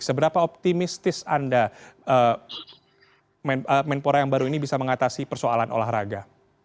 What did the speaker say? seberapa optimistis anda menpora yang baru ini bisa mengatasi persoalan olahraga